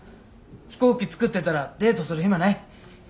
飛行機作ってたらデートする暇ない。